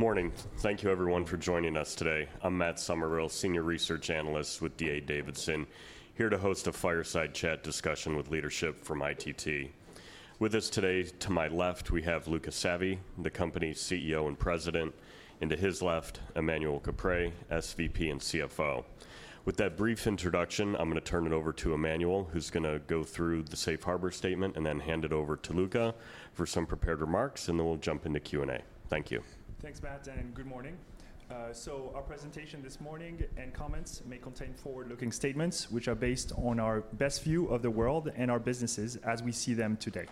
Morning. Thank you everyone for joining us today. I'm Matt Summerville, Senior Research Analyst with D.A. Davidson, here to host a fireside chat discussion with leadership from ITT. With us today, to my left, we have Luca Savi, the company's CEO and President, and to his left, Emmanuel Caprais, SVP and CFO. With that brief introduction, I'm gonna turn it over to Emmanuel, who's gonna go through the safe harbor statement and then hand it over to Luca for some prepared remarks, and then we'll jump into Q&A. Thank you. Thanks, Matt, and good morning, so our presentation this morning and comments may contain forward-looking statements, which are based on our best view of the world and our businesses as we see them today.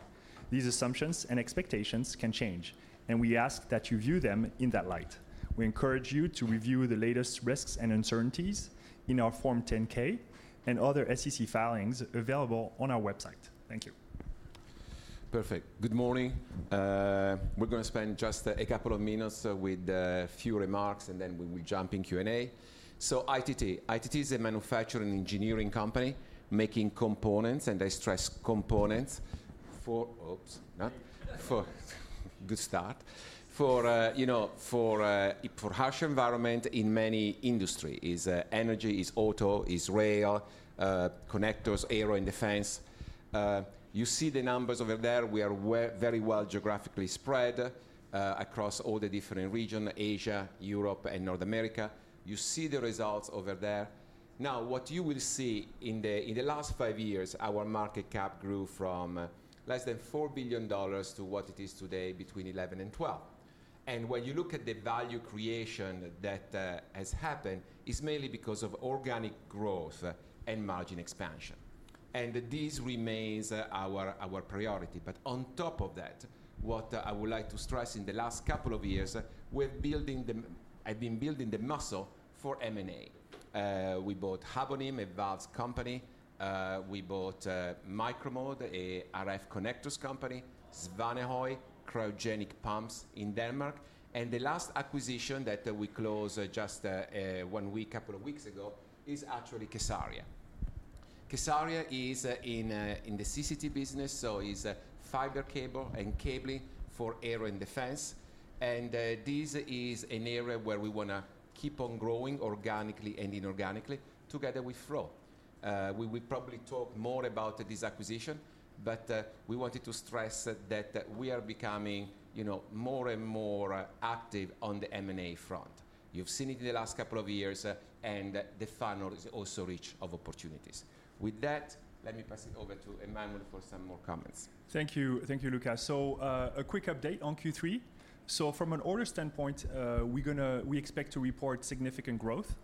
These assumptions and expectations can change, and we ask that you view them in that light. We encourage you to review the latest risks and uncertainties in our Form 10-K and other SEC filings available on our website. Thank you. Perfect. Good morning. We're gonna spend just a couple of minutes with a few remarks, and then we will jump in Q&A. So ITT. ITT is a manufacturing engineering company, making components, and I stress components, for harsh environment in many industry, is energy, is auto, is rail, connectors, aero and defense. You see the numbers over there. We are very well geographically spread across all the different region, Asia, Europe, and North America. You see the results over there. Now, what you will see, in the last five years, our market cap grew from less than $4 billion to what it is today, between $11 billion and $12 billion. And when you look at the value creation that has happened, it's mainly because of organic growth and margin expansion, and this remains our priority. But on top of that, what I would like to stress, in the last couple of years, we're building. I've been building the muscle for M&A. We bought Habonim, a valves company. We bought Micro-Mode, a RF connectors company, Svanehøj, cryogenic pumps in Denmark, and the last acquisition that we closed just one week, couple of weeks ago, is actually kSARIA. kSARIA is in the CCT business, so is fiber cable and cabling for aero and defense. And this is an area where we wanna keep on growing, organically and inorganically, together with flow. We will probably talk more about this acquisition, but we wanted to stress that we are becoming, you know, more and more active on the M&A front. You've seen it in the last couple of years, and the funnel is also rich of opportunities. With that, let me pass it over to Emmanuel for some more comments. Thank you. Thank you, Luca. So, a quick update on Q3. So from an order standpoint, we expect to report significant growth,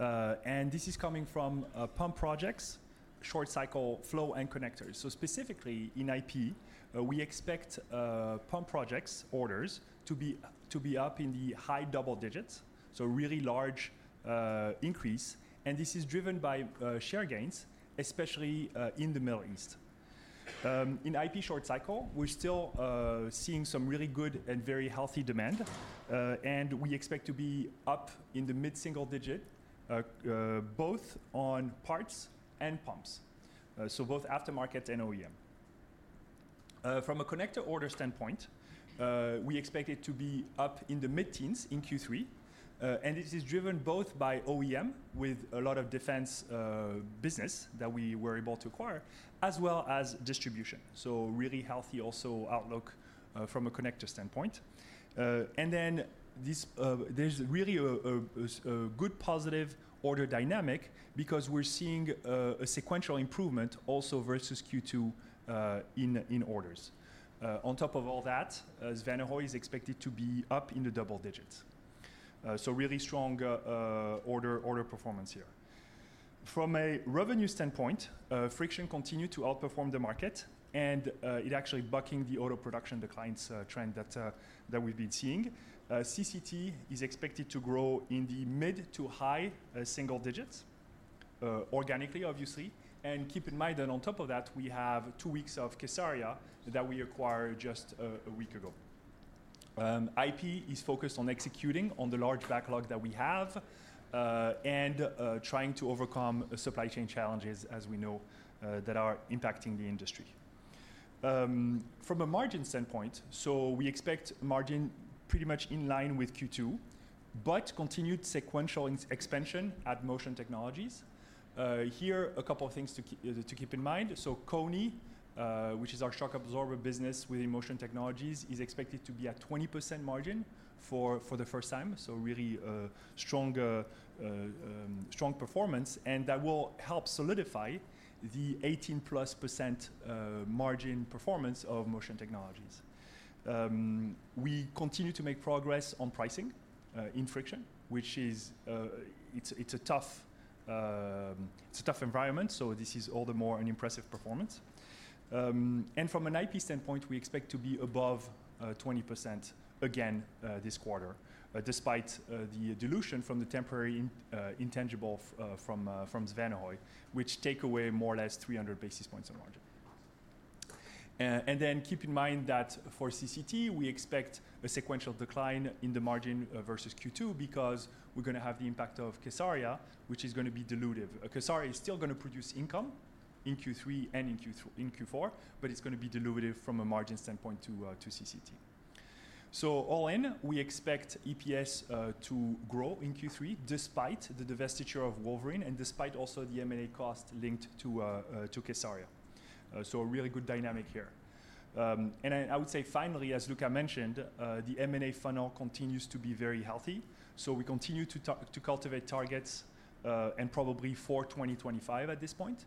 and this is coming from, Pump Projects, Short Cycle flow, and connectors. So specifically in IP, we expect, Pump Projects orders to be up in the high double digits, so really large, increase. And this is driven by, share gains, especially, in the Middle East. In IP Short Cycle, we're still, seeing some really good and very healthy demand, and we expect to be up in the mid-single digit, both on parts and pumps, so both aftermarket and OEM. From a connector order standpoint, we expect it to be up in the mid-teens in Q3, and this is driven both by OEM, with a lot of defense business that we were able to acquire, as well as distribution. So really healthy also outlook from a connector standpoint. And then this, there's really a good positive order dynamic because we're seeing a sequential improvement also versus Q2 in orders. On top of all that, Svanehøj is expected to be up in the double digits. So really strong order performance here. From a revenue standpoint, Friction continued to outperform the market, and it actually bucking the auto production decline trend that we've been seeing. CCT is expected to grow in the mid to high single digits organically, obviously. And keep in mind that on top of that, we have two weeks of kSARIA that we acquired just a week ago. IP is focused on executing on the large backlog that we have and trying to overcome supply chain challenges, as we know, that are impacting the industry. From a margin standpoint, so we expect margin pretty much in line with Q2, but continued sequential expansion at Motion Technologies. Here, a couple of things to keep in mind. So Koni, which is our shock absorber business within Motion Technologies, is expected to be at 20% margin for the first time, so really strong performance, and that will help solidify the 18%+ margin performance of Motion Technologies. We continue to make progress on pricing in Friction, which is a tough environment, so this is all the more an impressive performance. And from an IP standpoint, we expect to be above 20% again this quarter despite the dilution from the temporary intangible from Svanehøj, which take away more or less 300 basis points on margin. And then keep in mind that for CCT, we expect a sequential decline in the margin versus Q2, because we're gonna have the impact of kSARIA, which is gonna be dilutive. kSARIA is still gonna produce income in Q3 and in Q4, but it's gonna be dilutive from a margin standpoint to CCT. So all in, we expect EPS to grow in Q3 despite the divestiture of Wolverine and despite also the M&A cost linked to kSARIA. So a really good dynamic here. I would say finally, as Luca mentioned, the M&A funnel continues to be very healthy. So we continue to cultivate targets, and probably for 2025 at this point.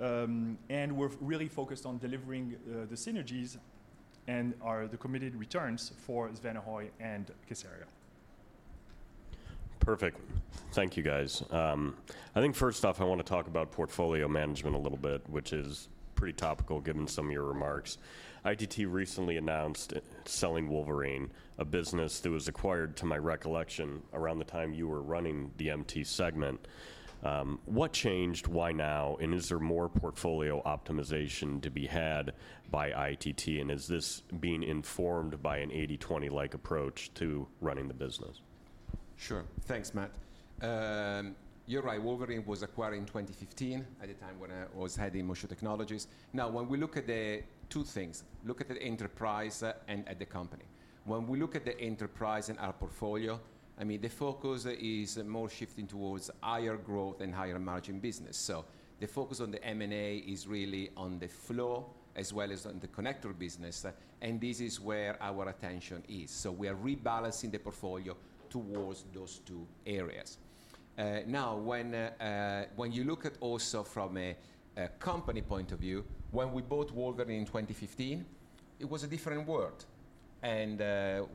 And we're really focused on delivering the synergies and the committed returns for Svanehøj and kSARIA. Perfect. Thank you, guys. I think first off, I want to talk about portfolio management a little bit, which is pretty topical given some of your remarks. ITT recently announced selling Wolverine, a business that was acquired, to my recollection, around the time you were running the MT segment. What changed? Why now? And is there more portfolio optimization to be had by ITT, and is this being informed by an eighty/twenty like approach to running the business? Sure. Thanks, Matt. You're right, Wolverine was acquired in 2015, at the time when I was heading Motion Technologies. Now, when we look at the two things, look at the enterprise and at the company. When we look at the enterprise and our portfolio, I mean, the focus is more shifting towards higher growth and higher margin business. So the focus on the M&A is really on the flow as well as on the connector business, and this is where our attention is. So we are rebalancing the portfolio towards those two areas. Now, when you look at also from a company point of view, when we bought Wolverine in 2015, it was a different world, and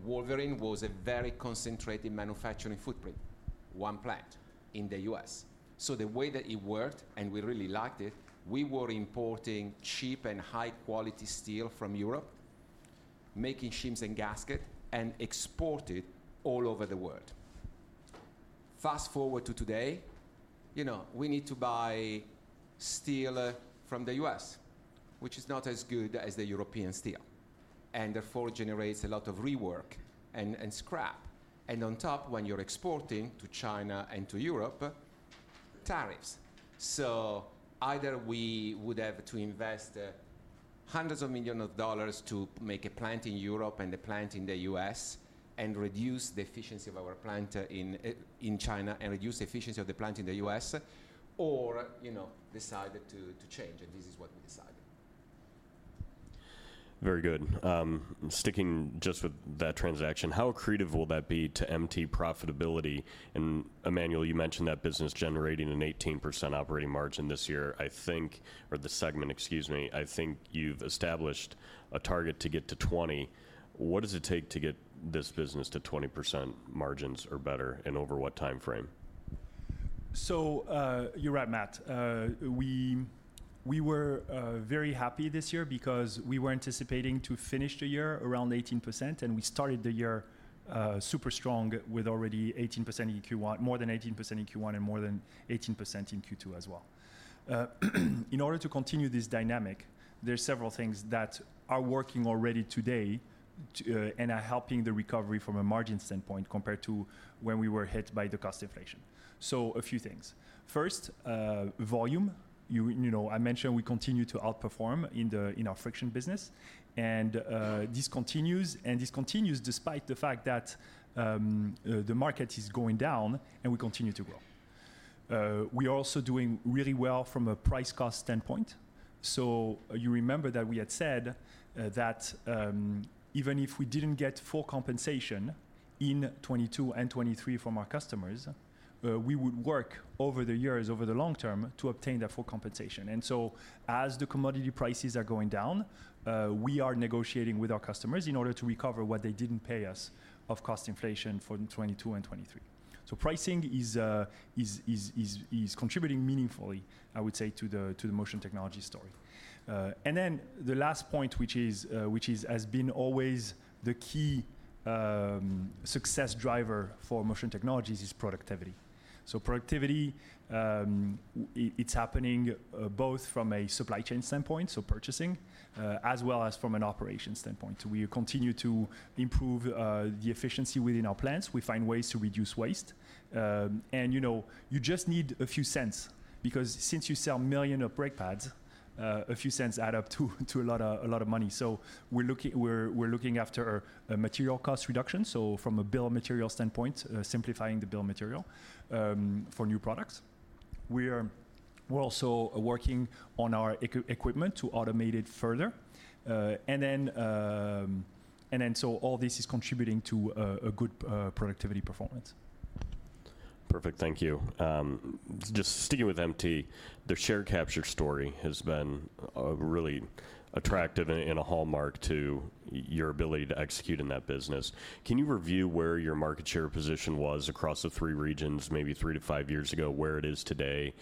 Wolverine was a very concentrated manufacturing footprint, one plant in the U.S. So the way that it worked, and we really liked it, we were importing cheap and high quality steel from Europe, making shims and gasket, and export it all over the world. Fast-forward to today, you know, we need to buy steel from the U.S., which is not as good as the European steel, and therefore generates a lot of rework and scrap. And on top, when you're exporting to China and to Europe, tariffs. So either we would have to invest hundreds of millions of dollars to make a plant in Europe and a plant in the U.S. and reduce the efficiency of our plant in China and reduce the efficiency of the plant in the U.S., or, you know, decide to change, and this is what we decided. Very good. Sticking just with that transaction, how accretive will that be to MT profitability? And Emmanuel, you mentioned that business generating an 18% operating margin this year. I think, or the segment, excuse me. I think you've established a target to get to 20. What does it take to get this business to 20% margins or better, and over what time frame? You're right, Matt. We were very happy this year because we were anticipating to finish the year around 18%, and we started the year super strong with already 18% in Q1 and more than 18% in Q2 as well. In order to continue this dynamic, there are several things that are working already today to and are helping the recovery from a margin standpoint compared to when we were hit by the cost inflation. A few things. First, volume. You know, I mentioned we continue to outperform in our friction business, and this continues despite the fact that the market is going down, and we continue to grow. We are also doing really well from a price-cost standpoint. So you remember that we had said that even if we didn't get full compensation in twenty-two and twenty-three from our customers, we would work over the years, over the long term, to obtain that full compensation. And so as the commodity prices are going down, we are negotiating with our customers in order to recover what they didn't pay us of cost inflation for twenty-two and twenty-three. So pricing is contributing meaningfully, I would say, to the Motion Technologies story. And then the last point, which has been always the key success driver for Motion Technologies, is productivity. So productivity, it's happening both from a supply chain standpoint, so purchasing, as well as from an operations standpoint. We continue to improve the efficiency within our plants. We find ways to reduce waste. You know, you just need a few cents because since you sell millions of brake pads, a few cents add up to a lot of money. So we're looking, we're looking after a material cost reduction, so from a bill of material standpoint, simplifying the bill of material for new products. We're also working on our equipment to automate it further. So all this is contributing to a good productivity performance. Perfect. Thank you. Just sticking with MT, the share capture story has been really attractive and a hallmark to your ability to execute in that business. Can you review where your market share position was across the three regions, maybe three to five years ago, where it is today,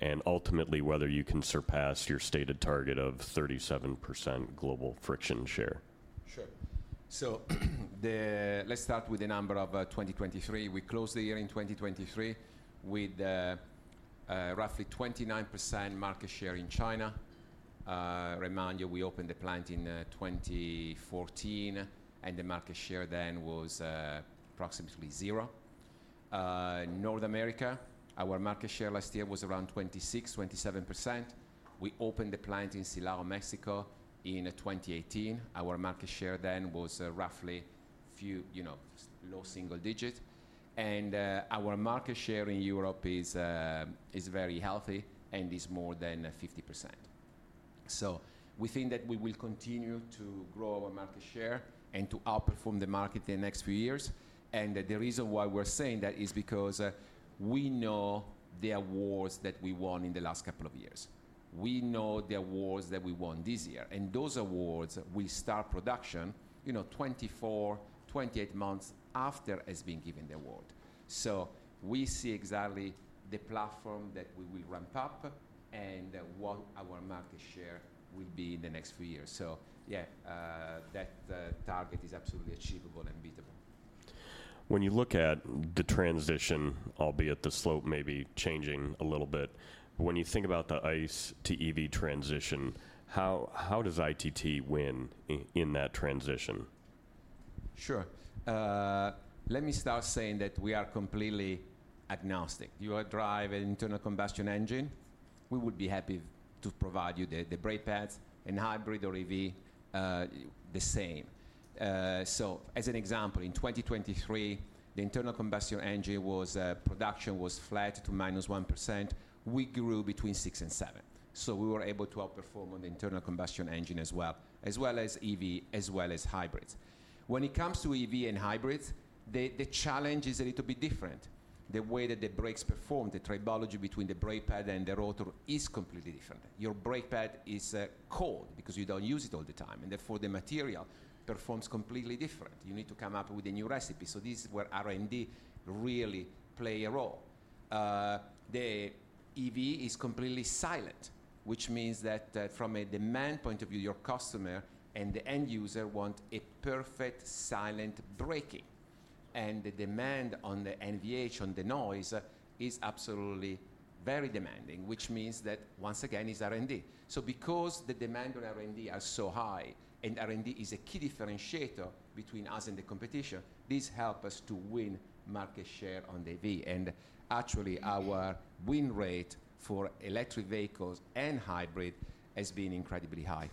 and ultimately, whether you can surpass your stated target of 37% global friction share? Sure. So, let's start with the numbers for 2023. We closed the year in 2023 with roughly 29% market share in China. To remind you, we opened the plant in 2014, and the market share then was approximately 0%. In North America, our market share last year was around 26-27%. We opened the plant in Silao, Mexico in 2018. Our market share then was roughly few, you know, low single digit. Our market share in Europe is very healthy and is more than 50%. So we think that we will continue to grow our market share and to outperform the market the next few years, and that the reason why we're saying that is because we know the awards that we won in the last couple of years. We know the awards that we won this year, and those awards, we start production, you know, 24-28 months after has been given the award. So we see exactly the platform that we will ramp up and what our market share will be in the next few years. So yeah, that target is absolutely achievable and beatable. When you look at the transition, albeit the slope may be changing a little bit, but when you think about the ICE to EV transition, how does ITT win in that transition? Sure. Let me start saying that we are completely agnostic. You drive an internal combustion engine, we would be happy to provide you the, the brake pads in hybrid or EV, the same. So as an example, in 2023, the internal combustion engine was, production was flat to -1%. We grew between 6% and 7%, so we were able to outperform on the internal combustion engine as well, as well as EV, as well as hybrids. When it comes to EV and hybrids, the challenge is a little bit different. The way that the brakes perform, the tribology between the brake pad and the rotor is completely different. Your brake pad is cold because you don't use it all the time, and therefore, the material performs completely different. You need to come up with a new recipe. So this is where R&D really play a role. The EV is completely silent, which means that from a demand point of view, your customer and the end user want a perfect silent braking, and the demand on the NVH, on the noise, is absolutely very demanding, which means that once again, it's R&D. So because the demand on R&D are so high, and R&D is a key differentiator between us and the competition, this help us to win market share on the EV, and actually, our win rate for electric vehicles and hybrid has been incredibly high.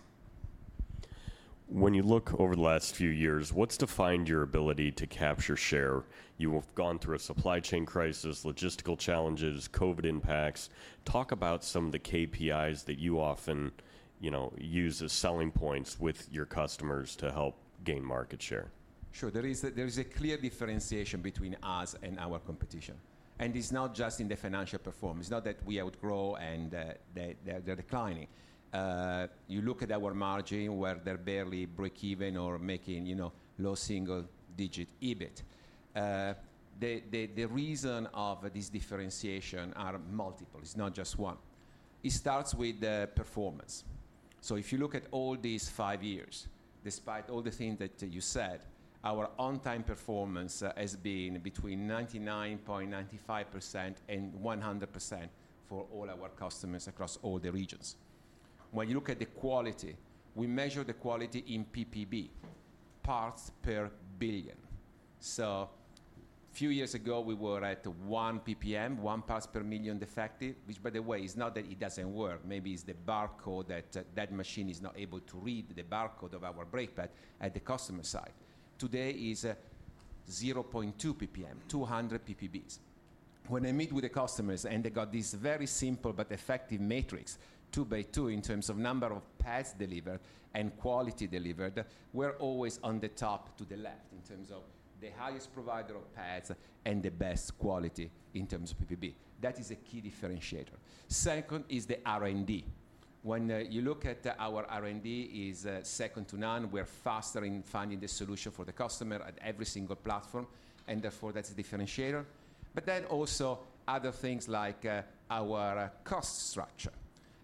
When you look over the last few years, what's defined your ability to capture share? You have gone through a supply chain crisis, logistical challenges, COVID impacts. Talk about some of the KPIs that you often, you know, use as selling points with your customers to help gain market share. Sure. There is a clear differentiation between us and our competition, and it's not just in the financial performance. It's not that we outgrow and they're declining. You look at our margin, where they're barely breakeven or making, you know, low single-digit EBIT. The reason of this differentiation are multiple, it's not just one. It starts with the performance. So if you look at all these five years, despite all the things that you said, our on-time performance has been between 99.95% and 100% for all our customers across all the regions. When you look at the quality, we measure the quality in ppb, parts per billion. So few years ago, we were at one ppm, one parts per million defective, which, by the way, is not that it doesn't work. Maybe it's the barcode, that, that machine is not able to read the barcode of our brake pad at the customer side. Today is, zero point two PPM, two hundred PPBs. When I meet with the customers, and they got this very simple but effective matrix, two by two, in terms of number of pads delivered and quality delivered, we're always on the top to the left in terms of the highest provider of pads and the best quality in terms of PPB. That is a key differentiator. Second is the R&D. When, you look at our R&D is, second to none. We're faster in finding the solution for the customer at every single platform, and therefore, that's a differentiator. But then also other things like, our cost structure.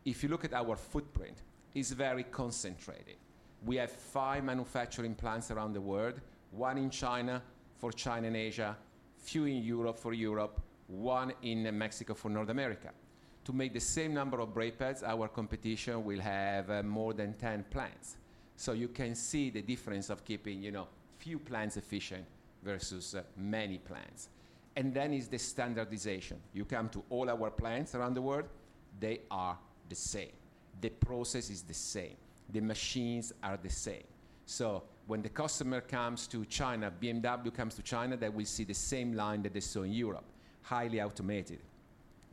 If you look at our footprint, it's very concentrated. We have five manufacturing plants around the world, one in China for China and Asia, few in Europe for Europe, one in Mexico for North America. To make the same number of brake pads, our competition will have more than ten plants. So you can see the difference of keeping, you know, few plants efficient versus many plants. And then is the standardization. You come to all our plants around the world, they are the same. The process is the same. The machines are the same. So when the customer comes to China, BMW comes to China, they will see the same line that they saw in Europe, highly automated,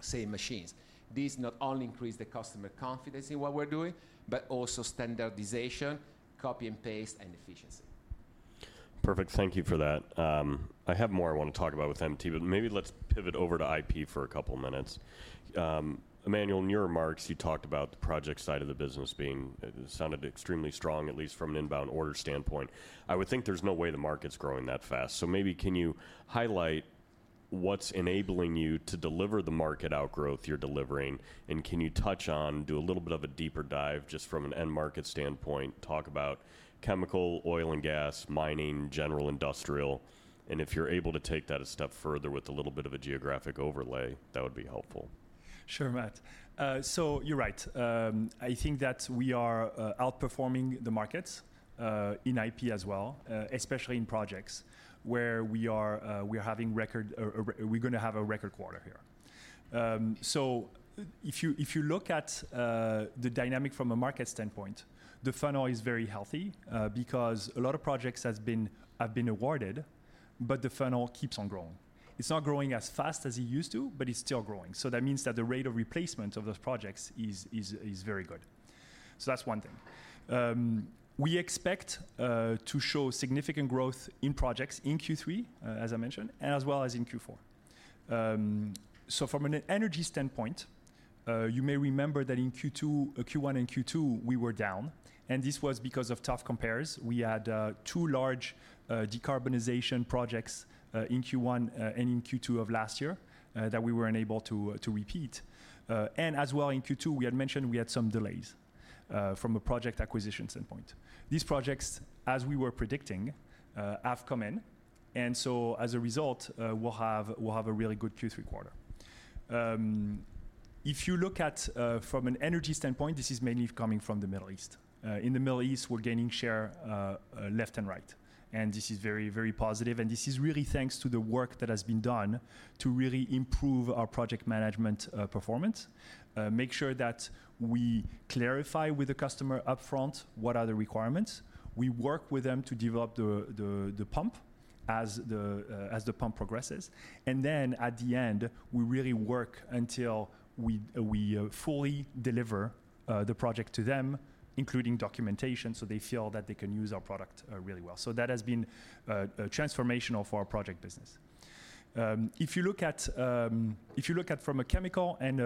same machines. This not only increase the customer confidence in what we're doing, but also standardization, copy and paste, and efficiency. Perfect. Thank you for that. I have more I want to talk about with MT, but maybe let's pivot over to IP for a couple minutes. Emmanuel, in your remarks, you talked about the project side of the business being... It sounded extremely strong, at least from an inbound order standpoint. I would think there's no way the market's growing that fast. So maybe can you highlight what's enabling you to deliver the market outgrowth you're delivering, and can you touch on, do a little bit of a deeper dive, just from an end market standpoint, talk about chemical, oil and gas, mining, general, industrial? And if you're able to take that a step further with a little bit of a geographic overlay, that would be helpful. Sure, Matt. So you're right. I think that we are outperforming the markets in IP as well, especially in projects where we are having record or we're gonna have a record quarter here. So if you look at the dynamic from a market standpoint, the funnel is very healthy, because a lot of projects have been awarded, but the funnel keeps on growing. It's not growing as fast as it used to, but it's still growing, so that means that the rate of replacement of those projects is very good. So that's one thing. We expect to show significant growth in projects in Q3, as I mentioned, and as well as in Q4. So from an energy standpoint, you may remember that in Q1 and Q2, we were down, and this was because of tough compares. We had two large decarbonization projects in Q1 and in Q2 of last year that we were unable to repeat. And as well in Q2, we had mentioned we had some delays from a project acquisition standpoint. These projects, as we were predicting, have come in, and so as a result, we'll have a really good Q3 quarter. If you look at from an energy standpoint, this is mainly coming from the Middle East. In the Middle East, we're gaining share left and right, and this is very, very positive, and this is really thanks to the work that has been done to really improve our project management performance. Make sure that we clarify with the customer upfront what are the requirements. We work with them to develop the pump as the pump progresses, and then at the end, we really work until we fully deliver the project to them, including documentation, so they feel that they can use our product really well. So that has been transformational for our project business. If you look at from a chemical and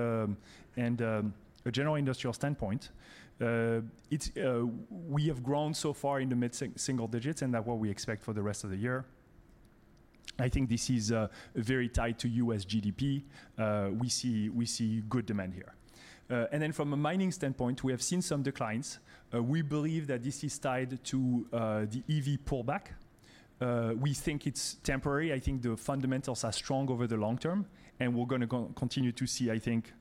a general industrial standpoint, it's... We have grown so far in the mid-single digits, and that what we expect for the rest of the year. I think this is very tied to U.S. GDP. We see good demand here. And then from a mining standpoint, we have seen some declines. We believe that this is tied to the EV pullback. We think it's temporary. I think the fundamentals are strong over the long term, and we're gonna continue to see, I think,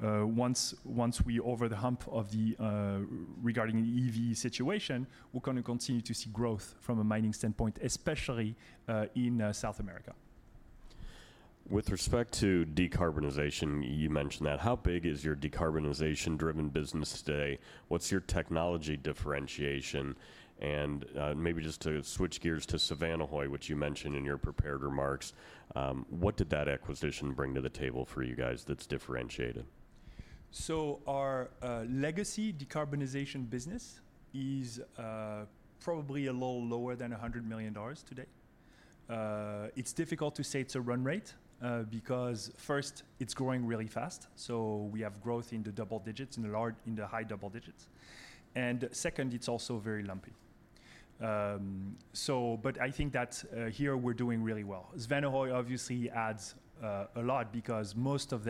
once we over the hump of the regarding the EV situation, we're gonna continue to see growth from a mining standpoint, especially in South America. With respect to decarbonization, you mentioned that. How big is your decarbonization-driven business today? What's your technology differentiation? And, maybe just to switch gears to Svanehøj, which you mentioned in your prepared remarks, what did that acquisition bring to the table for you guys that's differentiated? Our legacy decarbonization business is probably a little lower than $100 million today. It's difficult to say it's a run rate because first, it's growing really fast, so we have growth in the double digits, in the high double digits. And second, it's also very lumpy. So but I think that here we're doing really well. Svanehøj obviously adds a lot because most of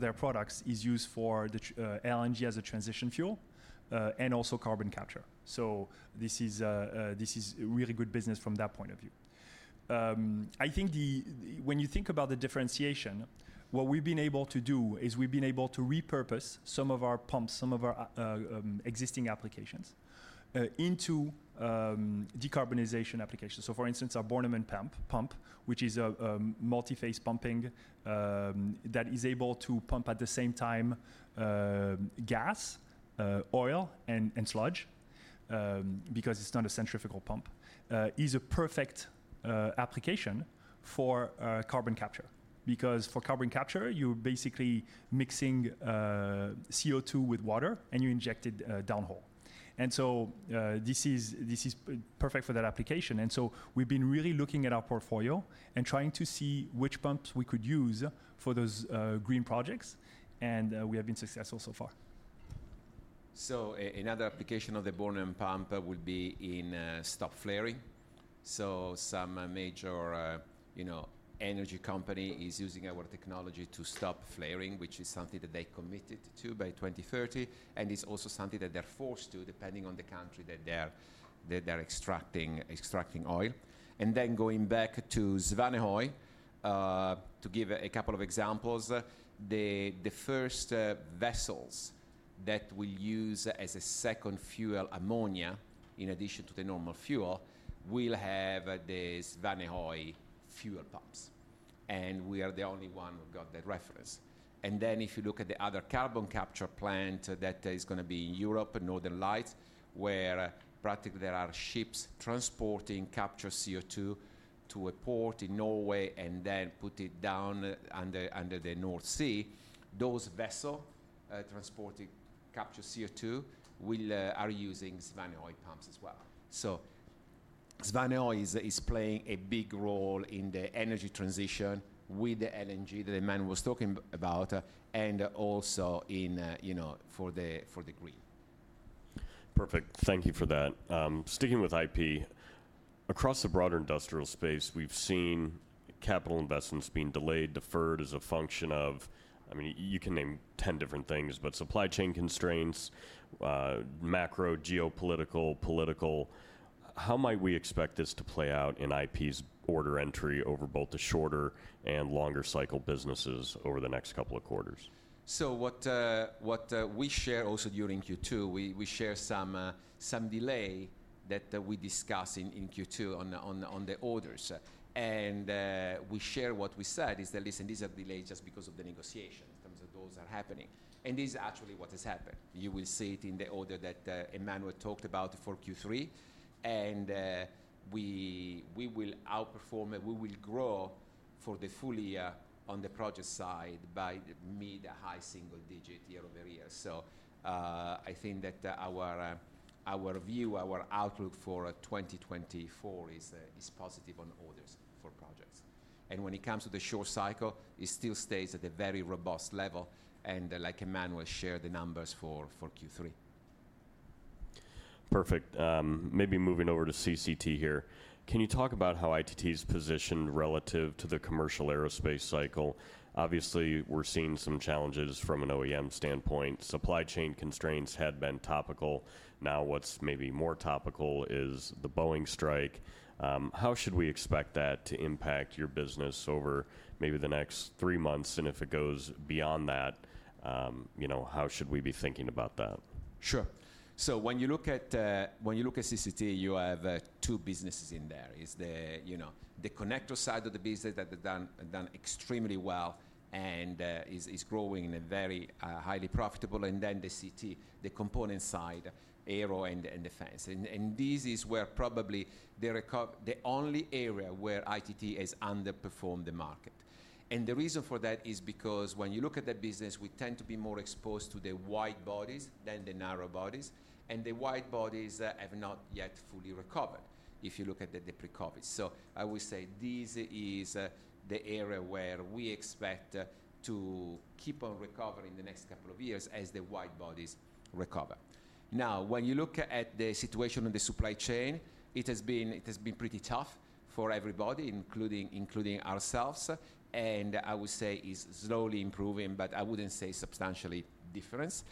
their products is used for the LNG as a transition fuel and also carbon capture. So this is really good business from that point of view. I think the, when you think about the differentiation, what we've been able to do is we've been able to repurpose some of our pumps, some of our, existing applications, into, decarbonization applications. So for instance, our Bornemann pump, which is a, multi-phase pumping, that is able to pump at the same time, gas, oil, and sludge, because it's not a centrifugal pump, is a perfect, application for, carbon capture. Because for carbon capture, you're basically mixing, CO2 with water, and you inject it, downhole. And so, this is perfect for that application. And so we've been really looking at our portfolio and trying to see which pumps we could use for those, green projects, and, we have been successful so far. Another application of the Bornemann pump would be in stop flaring. Some major, you know, energy company is using our technology to stop flaring, which is something that they committed to by 2030, and it's also something that they're forced to, depending on the country that they're extracting oil. Going back to Svanehøj, to give a couple of examples, the first vessels that will use as a second fuel, ammonia, in addition to the normal fuel, will have the Svanehøj fuel pumps, and we are the only one who got that reference. If you look at the other carbon capture plant that is gonna be in Europe, Northern Lights, where practically there are ships transporting captured CO2 to a port in Norway and then put it down under the North Sea. Those vessels transporting captured CO2 are using Svanehøj pumps as well. So Svanehøj is playing a big role in the energy transition with the LNG that Emmanuel was talking about, and also in, you know, for the green. Perfect. Thank you for that. Sticking with IP, across the broader industrial space, we've seen capital investments being delayed, deferred as a function of... I mean, you can name ten different things, but supply chain constraints, macro, geopolitical, political. How might we expect this to play out in IP's order entry over both the shorter and longer cycle businesses over the next couple of quarters? So what we share also during Q2, we share some delay that we discuss in Q2 on the orders. And we share what we said is that, listen, these are delays just because of the negotiation and those are happening, and this is actually what has happened. You will see it in the order that Emmanuel talked about for Q3, and we will outperform it. We will grow for the full year on the project side by mid-high single digit year over year. So I think that our view, our outlook for twenty twenty-four is positive on orders for projects. And when it comes to the short cycle, it still stays at a very robust level, and like Emmanuel shared the numbers for Q3. Perfect. Maybe moving over to CCT here. Can you talk about how ITT is positioned relative to the commercial aerospace cycle? Obviously, we're seeing some challenges from an OEM standpoint. Supply chain constraints had been topical. Now, what's maybe more topical is the Boeing strike. How should we expect that to impact your business over maybe the next three months? And if it goes beyond that, you know, how should we be thinking about that? Sure. So when you look at, when you look at CCT, you have, two businesses in there. It's the, you know, the connector side of the business that have done, done extremely well and, is growing and very, highly profitable, and then the CT, the component side, aero and, defense. And, this is where probably the recov-- the only area where ITT has underperformed the market. And the reason for that is because when you look at the business, we tend to be more exposed to the wide bodies than the narrow bodies, and the wide bodies, have not yet fully recovered if you look at the pre-COVID. So I would say this is, the area where we expect, to keep on recovering the next couple of years as the wide bodies recover. Now, when you look at the situation on the supply chain, it has been pretty tough for everybody, including ourselves, and I would say it's slowly improving, but I wouldn't say substantially different.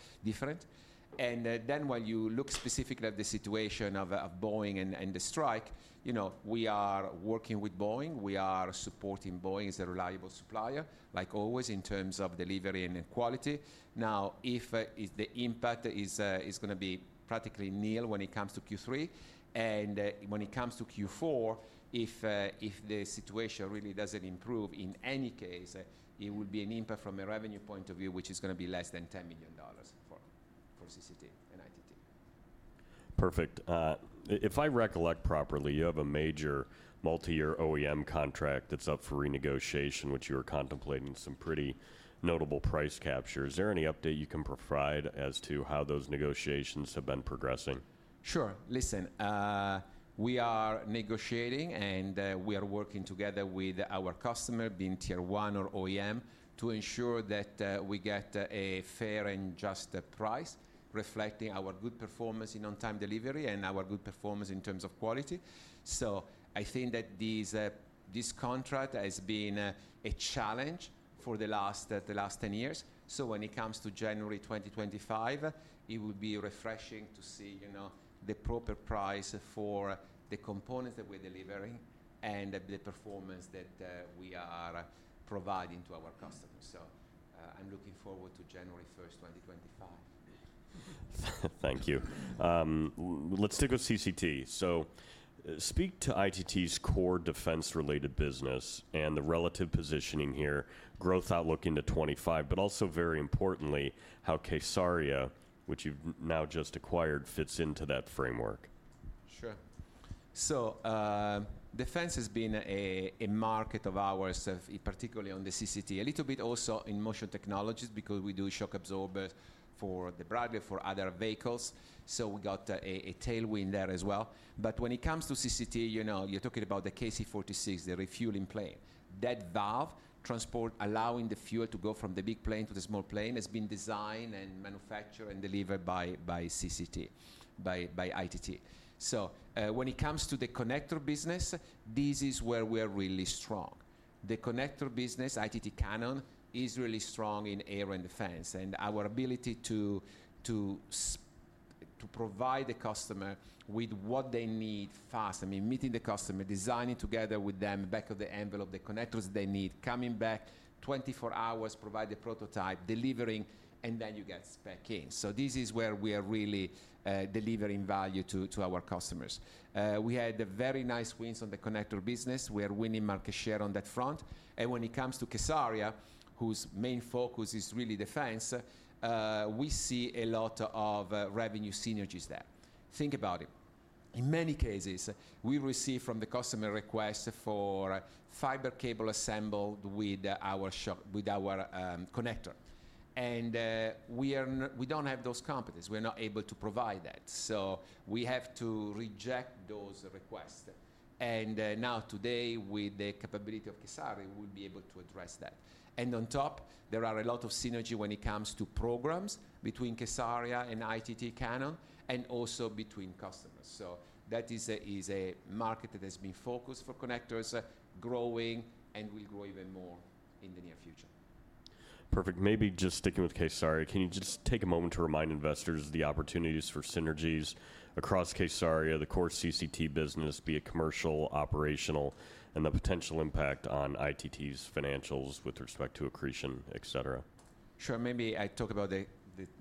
And then when you look specifically at the situation of Boeing and the strike, you know, we are working with Boeing. We are supporting Boeing as a reliable supplier, like always, in terms of delivery and quality. Now, if the impact is gonna be practically nil when it comes to Q3, and when it comes to Q4, if the situation really doesn't improve, in any case, it would be an impact from a revenue point of view, which is gonna be less than $10 million for CCT and ITT. Perfect. If I recollect properly, you have a major multi-year OEM contract that's up for renegotiation, which you are contemplating some pretty notable price capture. Is there any update you can provide as to how those negotiations have been progressing? Sure. Listen, we are negotiating, and, we are working together with our customer, being tier one or OEM, to ensure that, we get, a fair and just price, reflecting our good performance in on-time delivery and our good performance in terms of quality. So I think that this, this contract has been, a challenge for the last, the last ten years. So when it comes to January twenty twenty-five, it would be refreshing to see, you know, the proper price for the components that we're delivering and the performance that, we are providing to our customers. So, I'm looking forward to January first, twenty twenty-five. Thank you. Let's stick with CCT, so speak to ITT's core defense-related business and the relative positioning here, growth outlook into 2025, but also, very importantly, how kSARIA, which you've now just acquired, fits into that framework? Sure. So, defense has been a market of ours, particularly on the CCT, a little bit also in Motion Technologies, because we do shock absorbers for the Bradley, for other vehicles, so we got a tailwind there as well. But when it comes to CCT, you know, you're talking about the KC-46, the refueling plane. That valve transport allowing the fuel to go from the big plane to the small plane has been designed and manufactured and delivered by CCT, by ITT. So, when it comes to the connector business, this is where we're really strong. The connector business, ITT Cannon, is really strong in air and defense, and our ability to provide the customer with what they need fast... I mean, meeting the customer, designing together with them, back of the envelope, the connectors they need, coming back twenty-four hours, provide the prototype, delivering, and then you get spec in. So this is where we are really delivering value to our customers. We had very nice wins on the connector business. We are winning market share on that front. And when it comes to kSARIA, whose main focus is really defense, we see a lot of revenue synergies there. Think about it. In many cases, we receive from the customer request for fiber cable assembled with our connector, and we don't have those competencies. We're not able to provide that, so we have to reject those requests. And now today, with the capability of kSARIA, we'll be able to address that. On top, there are a lot of synergy when it comes to programs between kSARIA and ITT Cannon and also between customers. That is a market that has been focused for connectors, growing and will grow even more in the near future. Perfect. Maybe just sticking with kSARIA, can you just take a moment to remind investors of the opportunities for synergies across kSARIA, the core CCT business, be it commercial, operational, and the potential impact on ITT's financials with respect to accretion, et cetera? Sure. Maybe I talk about the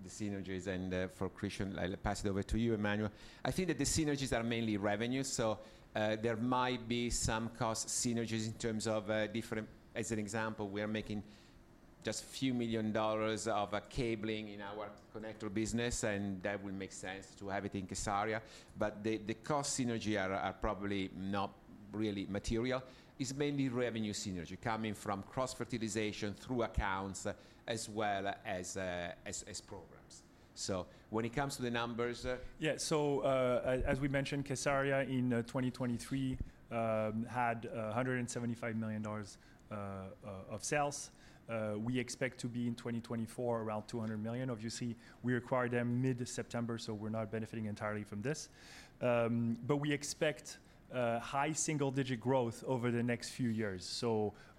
synergies and for accretion, I'll pass it over to you, Emmanuel. I think that the synergies are mainly revenue, so there might be some cost synergies in terms of different. As an example, we are making just a few million dollars of cabling in our connector business, and that will make sense to have it in kSARIA. But the cost synergy are probably not really material. It's mainly revenue synergy coming from cross-fertilization through accounts, as well as programs. So when it comes to the numbers. Yeah. So, as we mentioned, kSARIA in 2023 had $175 million of sales. We expect to be in 2024 around $200 million. Obviously, we acquired them mid-September, so we're not benefiting entirely from this. But we expect high single-digit growth over the next few years.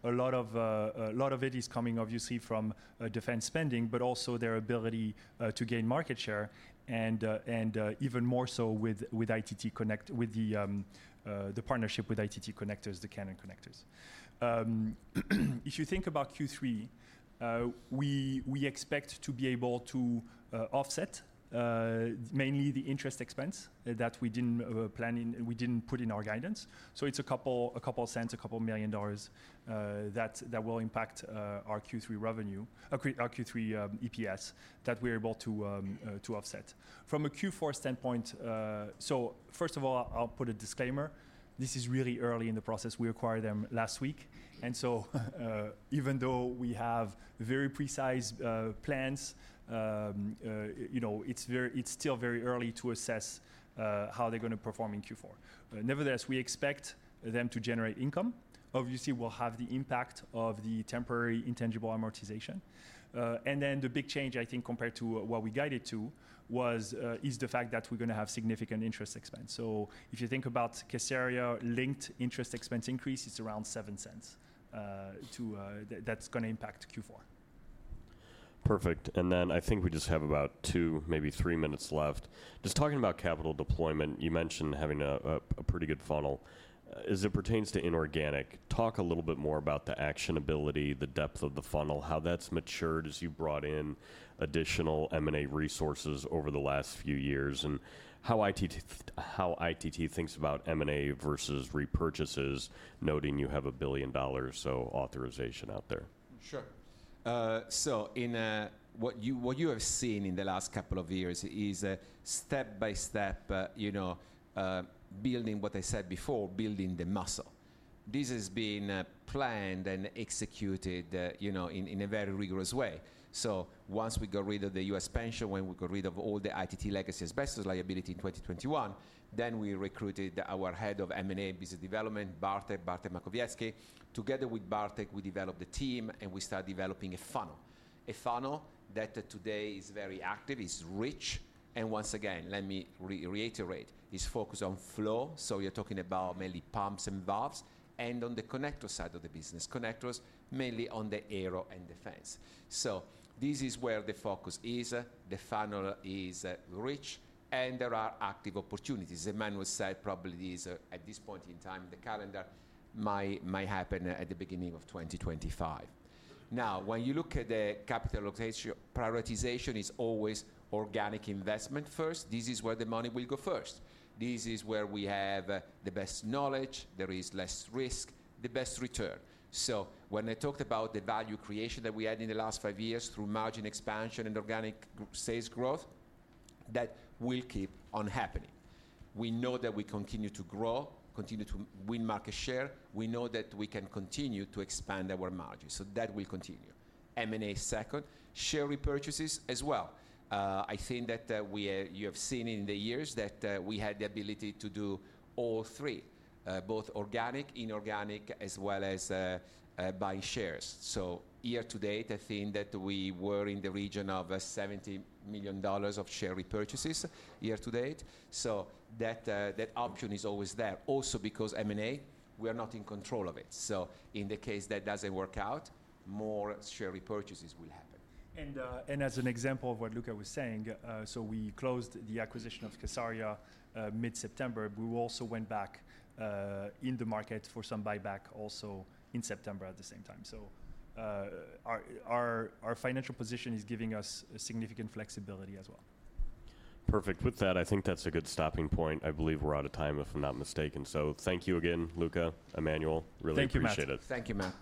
A lot of it is coming, obviously, from defense spending, but also their ability to gain market share and even more so with the partnership with ITT Connectors, the Cannon connectors. If you think about Q3, we expect to be able to offset mainly the interest expense that we didn't plan in. We didn't put in our guidance. So it's $0.02, $2 million that will impact our Q3 revenue, our Q3 EPS that we're able to offset. From a Q4 standpoint, so first of all, I'll put a disclaimer. This is really early in the process. We acquired them last week, and so even though we have very precise plans, you know, it's very, it's still very early to assess how they're gonna perform in Q4. Nevertheless, we expect them to generate income. Obviously, we'll have the impact of the temporary intangible amortization. And then the big change, I think, compared to what we guided to, is the fact that we're gonna have significant interest expense. So if you think about kSARIA-linked interest expense increase, it's around $0.07 to. That's gonna impact Q4. Perfect. And then I think we just have about two, maybe three minutes left. Just talking about capital deployment, you mentioned having a pretty good funnel. As it pertains to inorganic, talk a little bit more about the actionability, the depth of the funnel, how that's matured as you brought in additional M&A resources over the last few years, and how ITT thinks about M&A versus repurchases, noting you have a $1 billion share repurchase authorization out there. Sure. So in... What you have seen in the last couple of years is a step-by-step, you know, building, what I said before, building the muscle. This has been planned and executed, you know, in a very rigorous way. So once we got rid of the U.S. pension, when we got rid of all the ITT legacy asbestos liability in twenty twenty-one, then we recruited our head of M&A business development, Bartek Makowiecki. Together with Bartek, we developed the team, and we start developing a funnel, a funnel that today is very active, is rich. And once again, let me reiterate, is focused on flow, so you're talking about mainly pumps and valves and on the connector side of the business. Connectors, mainly on the aero and defense. So this is where the focus is. The funnel is rich, and there are active opportunities. Emmanuel said, probably these, at this point in time, the calendar might happen at the beginning of twenty twenty-five. Now, when you look at the capital allocation, prioritization is always organic investment first. This is where the money will go first. This is where we have the best knowledge, there is less risk, the best return. So when I talked about the value creation that we had in the last five years through margin expansion and organic sales growth, that will keep on happening. We know that we continue to grow, continue to win market share. We know that we can continue to expand our margins, so that will continue. M&A second, share repurchases as well. I think that you have seen in the years that we had the ability to do all three, both organic, inorganic, as well as buying shares. So year to date, I think that we were in the region of $70 million of share repurchases year to date. So that option is always there. Also, because M&A, we are not in control of it, so in the case that doesn't work out, more share repurchases will happen. As an example of what Luca was saying, so we closed the acquisition of kSARIA mid-September. We also went back in the market for some buyback also in September at the same time. So, our financial position is giving us significant flexibility as well. Perfect. With that, I think that's a good stopping point. I believe we're out of time, if I'm not mistaken. So thank you again, Luca, Emmanuel. Really appreciate it. Thank you, Matt.